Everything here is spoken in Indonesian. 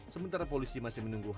sementara polisi masih menunggu